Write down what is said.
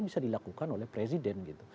bisa dilakukan oleh presiden gitu